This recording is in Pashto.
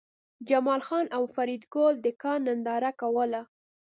جمال خان او فریدګل د کان ننداره کوله